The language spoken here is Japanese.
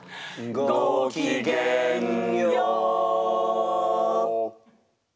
ごきげんよう。